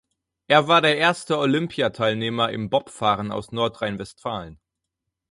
Er war der erste Olympiateilnehmer im Bobfahren aus Nordrhein-Westfalen.